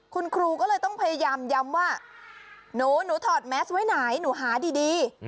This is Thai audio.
คุณครูก็เลยต้องพยายามย้ำว่าหนูถอดแมสไว้ไหนหนูหาดี